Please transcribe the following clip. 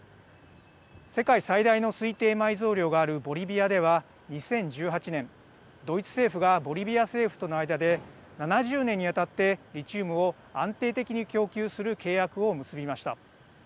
世界最大の推定埋蔵量があるボリビアでは２０１８年、ドイツ政府がボリビア政府との間で７０年にわたってリチウムを安定的に供給する契約を結びました。